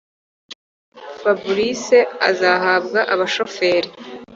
fabric azahabwa abashoferi